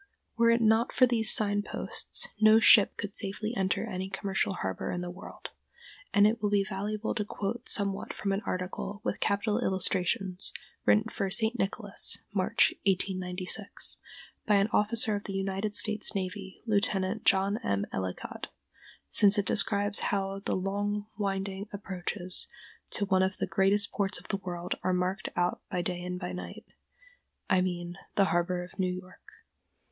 Were it not for these sign posts no ship could safely enter any commercial harbor in the world; and it will be valuable to quote somewhat from an article, with capital illustrations, written for "St. Nicholas" (March, 1896) by an officer of the United States Navy, Lieut. John M. Ellicott, since it describes how the long, winding approaches to one of the greatest ports of the world are marked out by day and by night—I mean the harbor of New York.